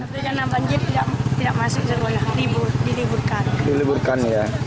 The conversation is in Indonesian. banjir tidak masuk diliburkan